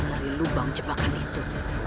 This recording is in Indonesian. dari lubang jebakan itu